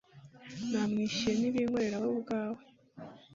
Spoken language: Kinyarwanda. Namwishuye nti Binkorera wewe ubwawe